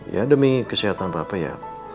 ya demi kesehatan papa ya